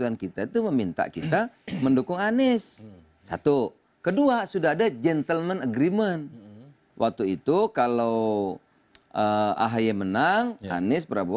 nah tadi pan yang minta agar